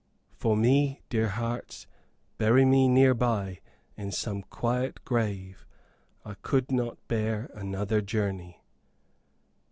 For me, dear hearts, bury me near by, in some quiet grave. I could not bear another journey."